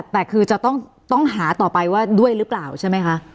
แต่คือจะต้องหาต่อไปว่าด้วยหรือเปล่าใช่ไหมคะ